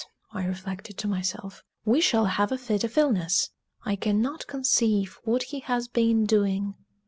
I reflected to myself, "we shall have a fit of illness. I cannot conceive what he has been doing!"